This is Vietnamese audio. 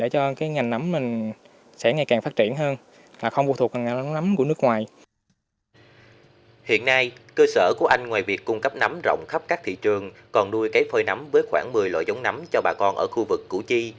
cơ sở của anh ngoài việc cung cấp nắm rộng khắp các thị trường còn nuôi cấy phơi nắm với khoảng một mươi loại giống nắm cho bà con ở khu vực củ chi